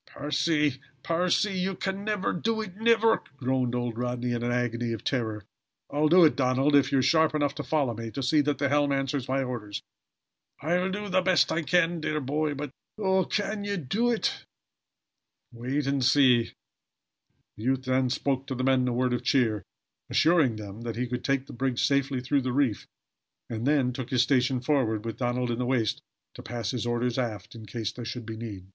"Percy! Percy! You can never do it never!" groaned old Rodney in an agony of terror. "I'll do it, Donald, if you are sharp enough to follow me to see that the helm answers my orders." "I'll do the best I can, dear boy. But Oh, can ye do it?" "Wait and see." The youth then spoke to the men a word of cheer, assuring them that he could take the brig safely through the reef, and then took his station forward, with Donald in the waist to pass his orders aft, in case there should be need.